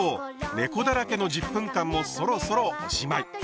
ねこだらけの１０分間もそろそろおしまい。